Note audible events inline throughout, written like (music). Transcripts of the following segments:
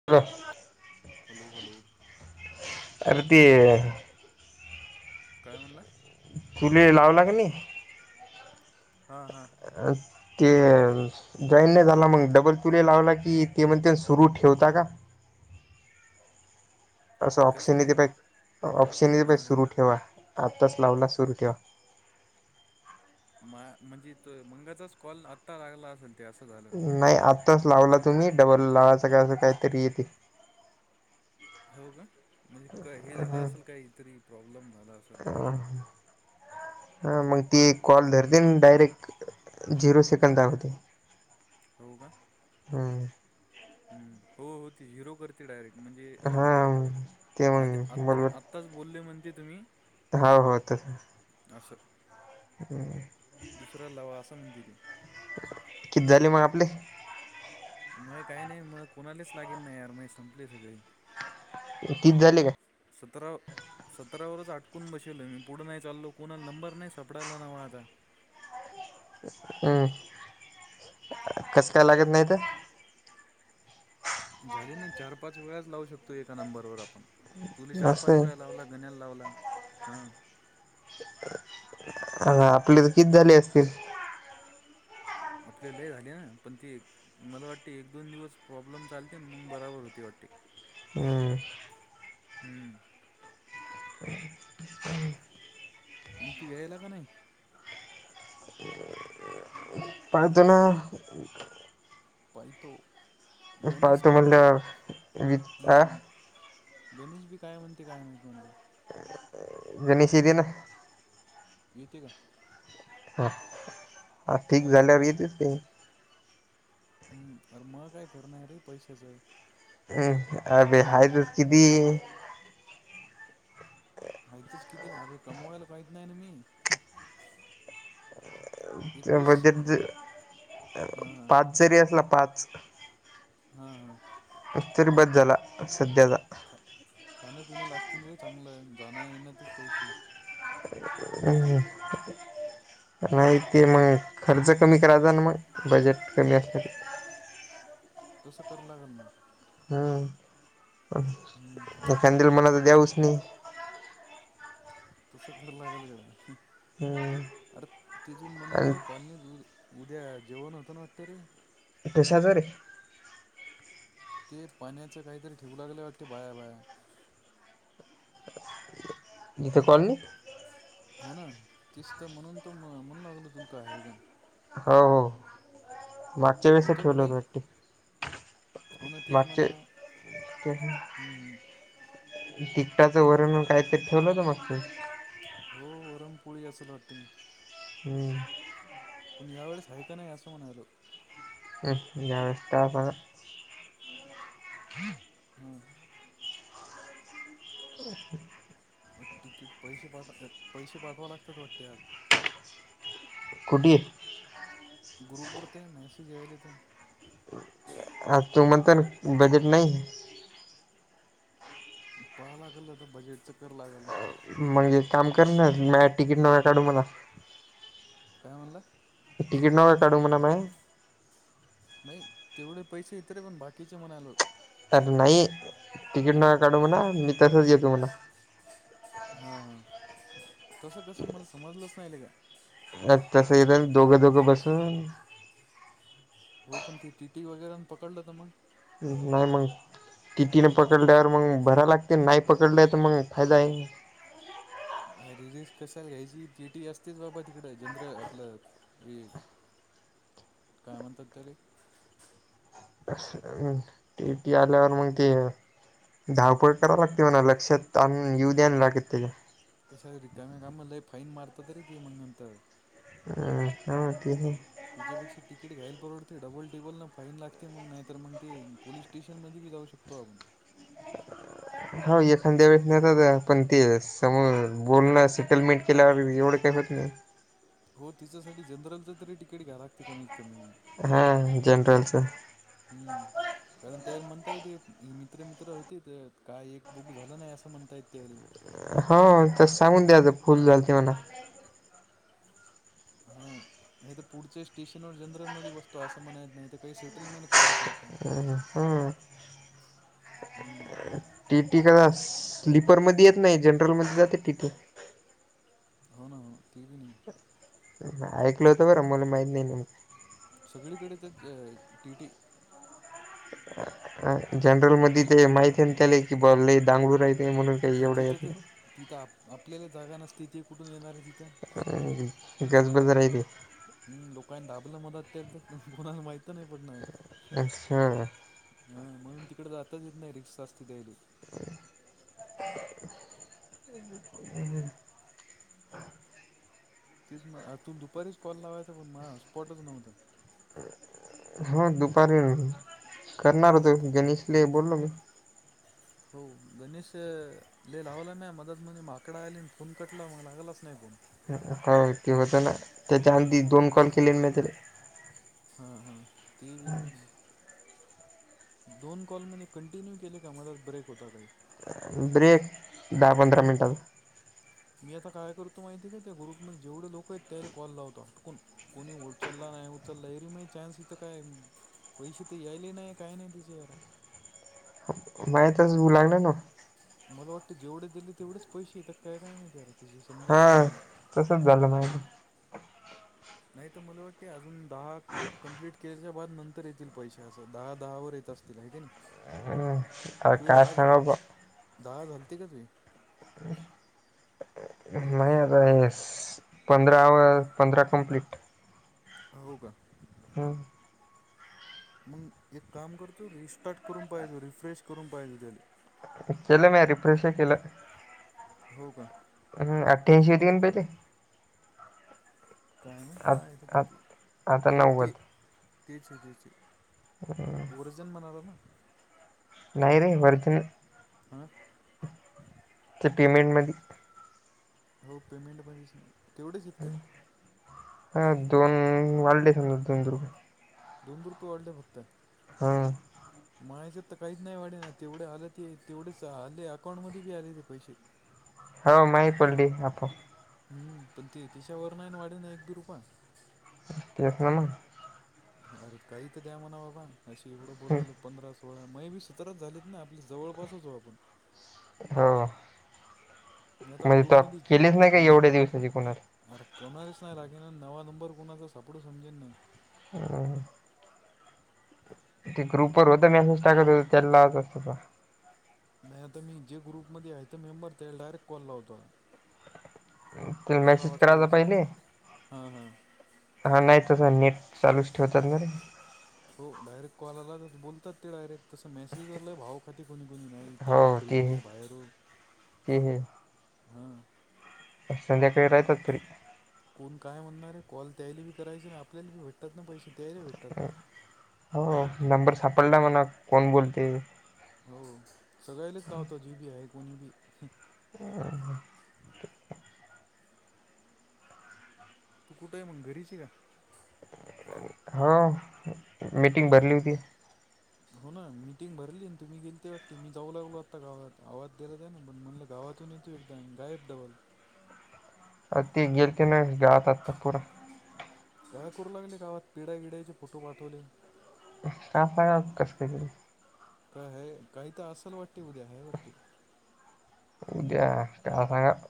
(unintelligible) Hello hello अरे ते काय म्हणला? तुले लावला क नी? हा हा. (unintelligible) जॉईन नाही झाला मग डबल तुले लावला की ते म्हण ते सुरू ठेवता का. असं कसं ऑप्शन काय ते पा ऑप्शन ते पा हां हां सुरू ठेवा आत्ताच लावला सुरू ठेवा. मा म्हणजे त मंगाचाच कॉल आत्ता लागला असेल ते असं. झालं नाही आत्ताच लावला तुम्ही डबल लावायच काय असं काहीतरी येते. हो का म्हणजे का हे झालं हां असल काहीतरी प्रॉब्लेम झाला असेल. हम ह हा मग ती कॉल एक धरते डायरेक्ट झिरो सेकंड दाखवते. हो का? हम्म हम्म हो हो ते जिरो करते डायरेक्ट म्हणजे अ हां ते आद मग आता आ आत्ताच बोलले म्हणते तुम्ही हाव हो तसं असल ह दुसऱ्याला असा लावा असं म्हणती ती. कित झाले मग आपले? मय काही नाही म कोणालाच लागेल नाही यार मय संपले सगळे. तीस झाले काय? सतराव सतरावरच आटकून बशेलो मी पुढे नाही चाललो कोणाला नंबर नाही सापडायला नवा आता. हम्म कसं काय लागत नाही तर? झाले ना चार-पाच वेळाच लावू शकतो एका नंबरवर आपण तुला असं चार-पाच वेळा लावला गण्याला लावला हा. हा आपले तर किती झाले असतील. आपल्या लई झाली ना पण ती मला वाटते एक दोन दिवस प्रॉब्लेम चालते मग बराबर होते वाटते. हम्म हम्म (unintelligible) मग तू यायला का नाही? पडतो ना हम्म पाहि तो गणेश पाहतो काय म्हणते म्हणल्यावर वि हम्म आ हम्म. गणेश बी काय म्हणते काय माहित म्हणलं. जमीशी देनं येते का? हा हा ठीक झाल्यावर येतेच काय? हम्म अरे मा काय खरं नाही रे पैशाचं अ अभे हयत किती हे. माहीचच किती हवे कमवायला काहीत नाही ना मी ह. त्या एकवीस बड्डेत जर हां हां पास जरी असला पास. हा हा. अस्तिरबद झाला सध्याचा. खा खाण पिणं लागतील रे चांगलं आहे जाणं येण्यातच पैसे. हम्म. नाही ते मग खर्च कमी करायचा ना मग बजेट कमी असत. तसं करू लाग मग. हम्म हम्म, पण एखन दिलं मला तर द्या उसने तस खरां लागेल गड ह हम्म अरे तिथून आणि म्हणलं कॉलनीत. उद्या जेवण होतं ना वाटतंय रे. कशाच रे? ते पाण्याचं काहीतरी ठेवू लागले वाटत बाया बाया. इथं कॉलनीत. हो ना तिस तर म्हणून तो म म्हणू लागल तुलका आहे एकदम. हो हो मागच्या वेळेस होतं का ठेवलं अस काही वाटे. हो ना तेच म्हणाला हम्म हम्म. तिकटाचं वरण काहीतरी ठेवलं होत मागते. हो वरमपोळी असंल हॉटिंग. हम्म. पण यावेेळेस हऐका नाही असं म्हणालो. हम्म जावस्था आ मला. हा. (unintelligible) तिकीट पैसे पाट पैसे पाठवा लागतात वाटते आज. कुटी हे. गुरुपूर ते मेसेज जयलेत. आ तू म्हण तन बजेट नाही. पहाव लागेल आता बजेटच करवं लागल. मग एक काम कर ना मे तिकीट नग काढू मला. काय म्हणलं. तिकीट न काढू म्हणा मये नाही तेवढे पैसे हायत ते पण बाकीचे म्हणालो. अरे नाही तिकीट हां न काढू म्हणा मी तसंच येतो म्हणा. हा हा तस कसं मला समजलंच नाही आले का. अ तस जण दोघं दोघं बसून. हो पण ती टीटी वगैरे पकडलं तर मग. हं नाही मग. तिटीने पकडल्यावर मग भराव लागते नाही पकडल्या तर मग फायदा आहे. रिलीज कशाला घ्यायची टी टी असतेच बाबा तिकड जनर आपलं ही काय म्हणतात त्याले. असं हे टीटी आल्यावर मग ते. धावपळ कराव लागते म्हणा लक्षात आण येऊ द्या लागत त्याच्या. कशाला रिकामा करा मग लय फाईन मारतात रे ते मग नंतर हम्म हम्म तिन्ही. तिच्यापेक्षा तिकीट घायला परवडते डबल टेबल ना फाईन लागते मग नाहीर मग ते पोलिस स्टे ट्यूशनमध्ये बी जाऊ शकतो आम्ही. हो एखांद्या वेळेस नसत आहे पण ते समोर बोलणं सेटलमेंट केला आहे मी बी एवढं काही होत नाही. हो तिच्यासाठी जनरलचा तरी तिकीट घ्या लागते कमीत कमी होऊन. हा जनरलचा. हम्म. कारण त्या म्हणता येते मित्र मित्र होती ते काय एक बघू झाला नाय असा म्हणतेय तेल. हा तर सांगून द्याचं फुल झाल ते मना. हा. नाही तर पुढचे स्टेशन वर जनरल मध्ये बसतो असं म्हणायच नाही तर का ही सेटलमेंट करायचं असं. हम्म हम्म. हम्म. टी टी का स्लीपर मध्ये येत नाही जनरलमध्ये जाते टी. टी. हो ना ते बी नाही. ऐकल होतं बरं मला माहित नाही न मग. सगळीकडे त्या ज टी. टी. अ जनरल मध्ये जे ते माहिती त्याले की ब लई दांगळूर आहे ते म्हणुन. आणि तिथंच तिथं आप आपल्याला जागा नसते ती कुठून येणारे ती. गजबाजर आहे ते. हम्म दुकान दाबला मदा त्यांचा कोणालाही माहितं नाही पडणार. अच्छा हा म्हणून तिकडं जातच येत नाय रिक्षा असती. (unintelligible) (inaudible) हम्म हम्म. तीच म तु दुपारीच कॉल लावायचा पण मला हॉट स्पॉटच नव्हतं. हो दुपारी करणार होतो गणेशलाही बोललो मी. हो गणेश लय लावलं मे मदत म्हणे माकड आयलेन फोन कटला मग लागलाच नाही फोन. काय एकटे होतं ना त्याच्या अधी दोन कॉल केले मी तरी. हा हा. हम्म दोन कॉल म्हणे कॉन्टिन्यू केला का मदा ब्रेक होता काय. ब्रेक दहा पंधरा मिनिटाचा. मी आता काय करतो माहिती का त्या ग्रुपमध्ये जेवढे लोकं आहेत त्याला कॉल लावतो अटकून. कोणी उचलला नाही उचलला ऐरीम चान्स इथं काय पैशे तर यायले नाय काय नाय. (unintelligible) मायतच (unintelligible) ना. मला वाटतं जेवढे दिले ततेवढेच पैशे येतात काय काय माहिती अरे तिजें समजेन नाय मला. तसच झालं माहिती. नाही तर मला वाटते अजून दहाक कंप्लीट केल्याच्या बाद नंतर येतील पैशे असं दहा दहा वर येत असतील आहे काय नाही. आता तुझे काय दहा झ सांगाव बा दहा झालते का तुझे? माय अगस पंधरा व पंधरा कंप्लीट. हो का? हा. मग एक काम करतो रिस्टार्ट करून पाहिचा रिफ्रेश करून पाहिचा त्याला. केलं मी रिफ्रेश केलं, हो का अजून अठ्यांशी. (unintelligible) काय माहित काय आहे ते आ किती आता हो नव्वद ते तेच हेज्याचे. हां जन म्हणार ना. नाही रे वरती नाही. अं? ते पेमेंटमधी. हो पेमेंटमध्येच नाही. तेवढेच आहेत काय? हं दोन व्हॅलिडेशनला दोन रुपये. दोन रुपये वाढले फक्त. हम्म. मायचं तर काहीच नाही वाढे ना तेवढे आलं ते तेवढेच आले अकाउंटमध्ये बी आले ते पैसे. हो माहीत पडली आपो हम्म पण ते तिच्यावर नाही ना वाढे एक बी रुपया. तेच ना मग. अरे काही तर द्या म्हणा बाबा अशी एवढं बोलायलो पंधरा स हो ना मै बी सतराच झालीत ना आपली जवळपासच अहो आपण. हो मी आता म्हणजे त्या ग्रुपमध्ये केलीच नाही का हां एवढ्या दिवसाची पुन अरे कुणालाच नाही लागेना आणि नवा नंबर कोणाचा सापडू समजेन नाही. हम्म, हम्म. ते ग्रुपवर होत मेसेज टाकत होता त्यांला (unintelligible) तसा. नाही आता मी जे ग्रुपमध्ये आहे ते मेंबर त्याला डायरेक्ट कॉल लावतो आता. त्याला उचला मेसेज वाटला करायचा उचला. पहिले हा, हा. हा नाही तसं नेट चालूच ठेवतात ना रे. हो डायरेक्ट कॉल आला बोलतात ते डायरेक्ट तस मसेजवर लय भाव कधी कोणी कोणी नाई तो फ्री हो, भायर हो. ए हे हां संध्याकाळी राहतात फ्री. कोण काय म्हणणार आहे. कॉल त्यायले बी करायचे आणि आपल्याले भेटतात ना पैसे त्यायले भेट हो नंबर सापडला म्हणा कोण बोलते ते. हो सगळ्यालाच लावतात जी बी आहे कोणी बी. हं हम्म. तू कुठे आहे मग घरीच आहे का? हो, मीटिंग भरली होती. हो ना मीटिंग भरली आणि तुम्ही गेलते वाटते मी जाऊ लागलो आत्ता गावात. आवाज दिला त्याने पण म्हणलं गावातून (unintelligible) एकदम गायब डबल. अ ते गेलती ना गावात आता पुढं. काय करू लागले गावात पिड्या विड्याचे फोटो पाठवले. (unintelligible) काय हे काही तर असेल वाटते उद्या आहे वाटते. उद्या काय सांगाव.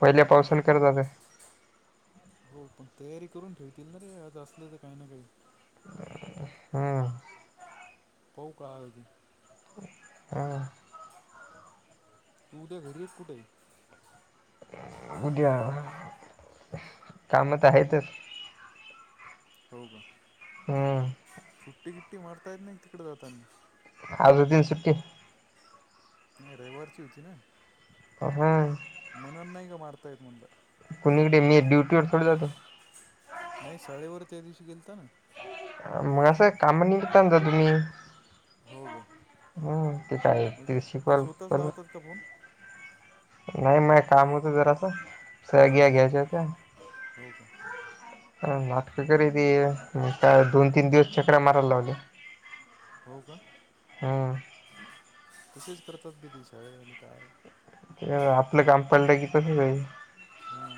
पहिल्या पावसान करता ते. हो पण तयारी करून ठेवतील ना रे आज असले तर काही ना काही. हम्म. पाहू काळ अजून. हा. तू उद्या घरी आहे का कुठे आहे? उद्या कामतर आहेतच. हो का? हम्म. सुट्टी गिट्टी मारता येत नाही तिकडे जाताने? आज उद्या सुट्टी. नाही रविवारची होती ना? आ हा मनन नाय ग मारता येत म्हणला. कोणीकडे मी ड्युटीवर थोडी जातो. नाही शाळेवर त्या दिवशी गेलतो ना. मग असं कामा नीडतान जा तुम्ही. हो का हम्म ते काय ते शिकवल पण कबुन नाही मग काम होतं जरासा साय घ्या हां घ्यायच्या होतेय. हो का? अ नाटकं करी ती म काय दोन-तीन दिवस चक्रा मारायला लावल्या. (unintelligible) हो का? हां तसेच करतात बी दी शाळे (unintelligible) काय? आपलं काम पाडलं की तसंच होईल. हा.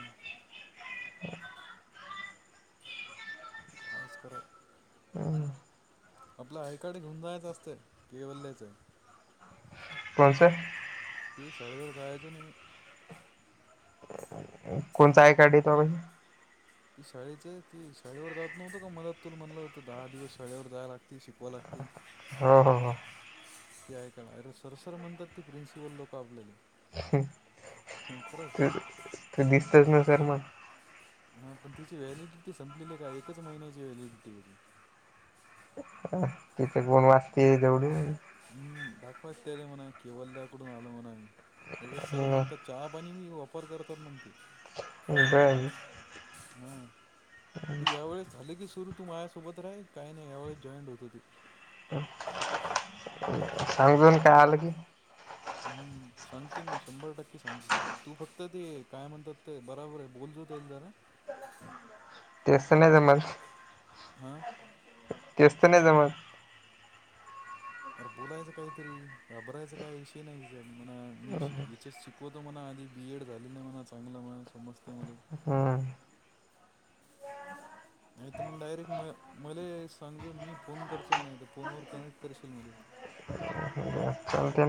(inaudible) (inaudible) आयस करो हम्म. आपल्या आयकार्ड घेऊण जायचं असते केवल्याचा. कोणच? ती शाळेवर जायचे ना मी. कोणचा आयकार्ड येतो बाई? ती शाळेच ती शाळेवर जात नव्हत का मदा तुल म्हणलं होतं दहा दिवस शाळेवर जायला लाग ती शिकवा लागतील. हो हो हो ती ऐकाणारी सर सर म्हणतात ती प्रिन्सिपल लोकं आपल्याली. तर तर दिसतच ना सर मग. हा पण तिची व्हॅलिडिटी संपलेली काय एकच महिन्याची व्हॅलिडिटी होती. तिथे गोण वाजती तेवढी. हम्म दाखवायच त्यार म्हणा केवल्ल्या कडून आलो म्हणून लगेच सर म्हणतात चहा पाणी बी ऑफर करतात म्हणते. बर हा तू यावेेळेस झाले की सुरू तू मायास सोबत राईल काही नाही यावेळेस जॉईंट होतो तु. सांग जून काय आलं की. ह (inaudible) हम्म, (inaudible) सांगतो मी शंभर टक्के सांगतो तुला तू फक्त ते काय म्हणतात ते बराबर आहे बोलतो तेल जरा. तेच तर नाय जमत. हा तेच नाही तर जमत. अरे बोलायचं काहीतरी घाबरायचा काय विषय नाही हिजा म्हणा मी शि याच्या शिक कोई तो मणा आधी बी एड झालो नाही मला चांगलं मणा समजते मले. हा आणि तर मग डायरेक्ट म मले सांग जर फोन करचल नाही तर फोनवर कनेक्ट करशील म्हणे. चालते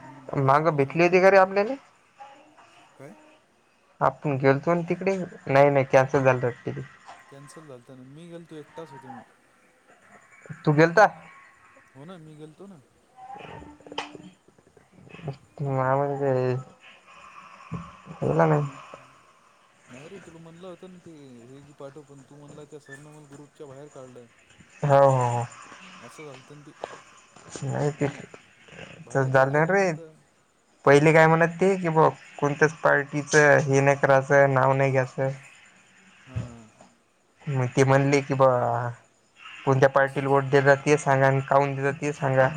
हम्म, तसं मंग मी भेटली सांगतो होती का रे आपल्याला? काय आपण गेलतो तिकडे नाही नाही कॅन्सल झालं वाटतं तिकडे. कॅन्सल झालंत ना मी गेलतो एकटाच होतो मी. तू गेलता हो ना मी गेलतो ना. तू मला म्हणजे काय रे हम्म. नाही रे तुला म्हणल होत ना ते हे गी पाठव, पण तू म्हणला त्या सरनं मला त्या ग्रुपच्या बाहेर काढलं. हो हो हो. असं झालतीन ती. नाही ते चल बाहेर जाऊद्या काढल्याच्या रे. नंतर हां पहिले काय म्हणायचं? ठीक आहे बुवा. कोणत्याच पार्टीचं हे नाही करायचं, नाव नाही घ्यायचं. हा. मग ती म्हणली की बा कोणत्या पार्टीला वोट देतात ते सांगा आणि काहून देतात ते सांगा.